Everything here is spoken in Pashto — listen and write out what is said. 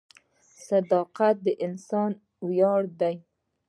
• صداقت د انسان ویاړ دی.